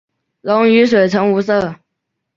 溶于水呈无色。